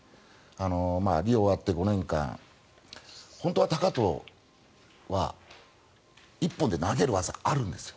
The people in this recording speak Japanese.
リオが終わって５年間本当は高藤は一本で投げる技あるんです。